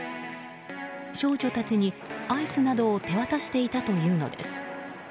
少女たちにアイスなどを手渡していたというのです。